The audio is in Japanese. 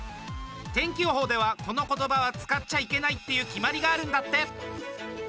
天気予報では、この言葉は使っちゃいけないっていう決まりがあるんだって！